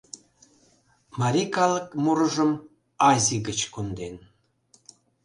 Марий калык мурыжым Азий гыч конден...